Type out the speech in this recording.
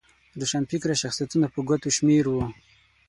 روښانفکره شخصیتونه په ګوتو شمېر وو.